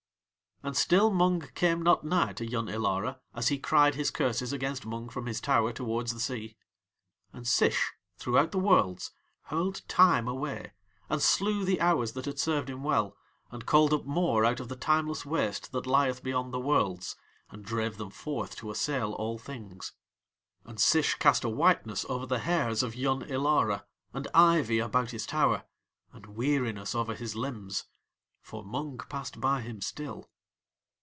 And still Mung came not nigh to Yun Ilara as he cried his curses against Mung from his tower towards the sea. And Sish throughout the Worlds hurled Time away, and slew the Hours that had served him well, and called up more out of the timeless waste that lieth beyond the Worlds, and drave them forth to assail all things. And Sish cast a whiteness over the hairs of Yun Ilara, and ivy about his tower, and weariness over his limbs, for Mung passed by him still.